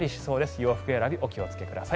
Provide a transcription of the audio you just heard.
洋服選びはお気をつけください。